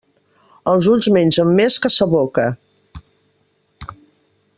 Els ulls mengen més que sa boca.